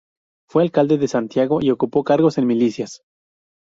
Fue alcalde de Santiago y ocupó cargos en milicias.